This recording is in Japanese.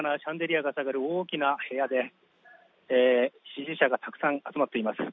豪華なシャンデリアがある大きな部屋で支持者がたくさん集まっています